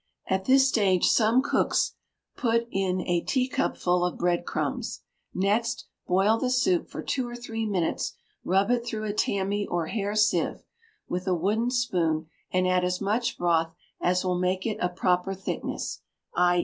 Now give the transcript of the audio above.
At this stage some cooks put in a teacupful of bread crumbs. Next boil the soup for two or three minutes; rub it through a tammy or hair sieve, with a wooden spoon, and add as much broth as will make it a proper thickness, _i.e.